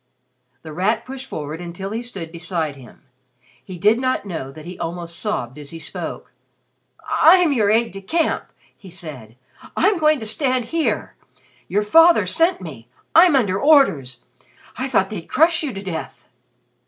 The Rat pushed forward until he stood beside him. He did not know that he almost sobbed as he spoke. "I'm your aide de camp," he said. "I'm going to stand here! Your father sent me! I'm under orders! I thought they'd crush you to death."